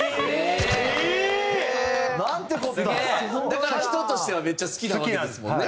だから人としてはめっちゃ好きなわけですもんね。